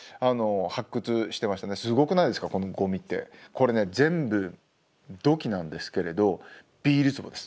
これね全部土器なんですけれどビール壺です